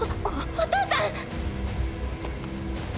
お父さん⁉